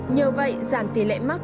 nhờ vậy giảm tỷ lệ mắc